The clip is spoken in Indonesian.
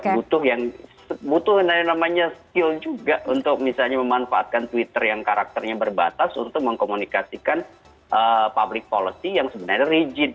butuh yang butuh namanya skill juga untuk misalnya memanfaatkan twitter yang karakternya berbatas untuk mengkomunikasikan public policy yang sebenarnya rigid